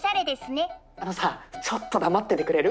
あのさちょっと黙っててくれる？